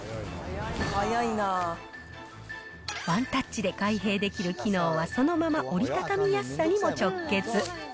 ワンタッチで開閉できる機能はそのまま折り畳みやすさにも直結。